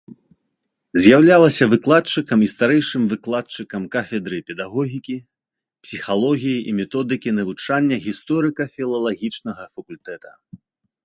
З'яўлялася выкладчыкам і старэйшым выкладчыкам кафедры педагогікі, псіхалогіі і методыкі навучання гісторыка-філалагічнага факультэта.